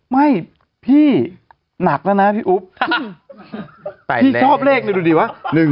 ไม่พี่หนักแล้วนะพี่อุ๊บพี่ชอบเลขเนี่ยดูดีวะ